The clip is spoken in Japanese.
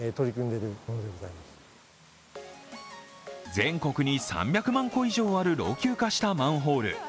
全国に３００万個以上ある老朽化したマンホール。